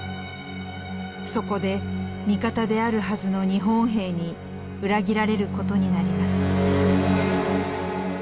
そこで味方であるはずの日本兵に裏切られることになります。